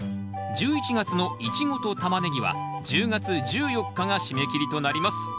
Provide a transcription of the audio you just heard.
１１月の「イチゴ」と「タマネギ」は１０月１４日が締め切りとなります。